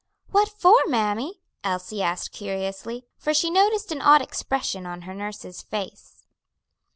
"What for, mammy?" Elsie asked curiously, for she noticed an odd expression on her nurse's face.